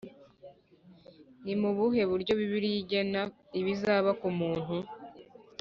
ni mu buhe buryo bibiliya igena ibizaba ku muntu?